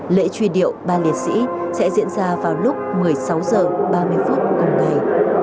lễ truy điệu ba liệt sĩ sẽ diễn ra vào lúc một mươi sáu h ba mươi phút cùng ngày